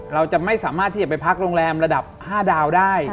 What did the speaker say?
เราจะไม่สามารถที่จะไปพักโรงแรมระดับ๕ดาวได้